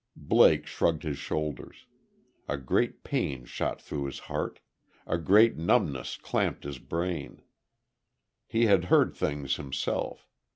Blake shrugged his shoulders. A great pain shot through his heart; a great numbness clamped his brain. He had heard things himself.